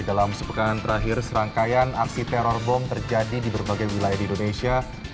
dalam sepekan terakhir serangkaian aksi teror bom terjadi di berbagai wilayah di indonesia